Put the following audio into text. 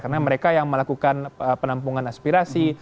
karena mereka yang melakukan penampungan aspirasi